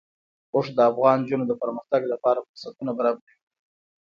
اوښ د افغان نجونو د پرمختګ لپاره فرصتونه برابروي.